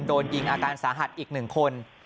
โดนยิงอาการสาหัสอีก๑คน